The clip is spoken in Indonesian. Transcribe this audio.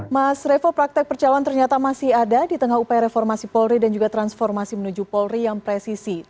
mas revo praktek percalon ternyata masih ada di tengah upaya reformasi polri dan juga transformasi menuju polri yang presisi